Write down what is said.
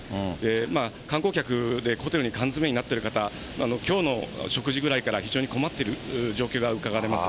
観光客でホテルに缶詰めになっている方、きょうの食事ぐらいから非常に困っている状況がうかがわれます。